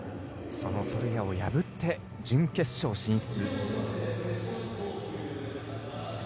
そのソルヤを破って準決勝進出。